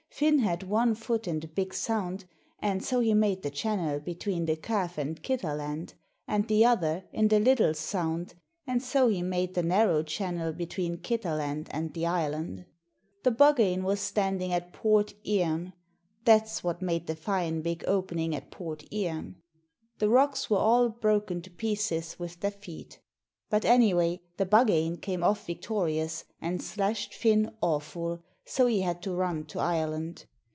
Finn had one fut in the Big Sound, an' so he made the Channel between the Calf and Kitterland, and the other in the Little Sound, an' so he made the narrow Channel between Kitterland and the islan'. The Buggane was standin' at Port Iern that's what made the fine big openin' at Port Iern. The rocks were all broken to pieces with their feet. But, anyway, the Buggane came off victorious and slashed Finn awful, so he had to run to Ireland.